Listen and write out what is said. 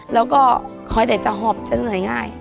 แล้วก็คอยแต่จะหอบจะเหนื่อยง่าย